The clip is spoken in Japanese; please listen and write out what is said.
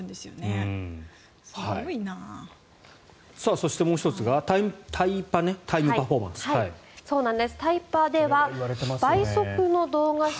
そしてもう１つがタイパ、タイムパフォーマンス。